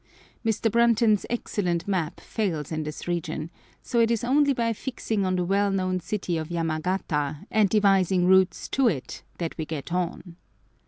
Mr. Brunton's excellent map fails in this region, so it is only by fixing on the well known city of Yamagata and devising routes to it that we get on.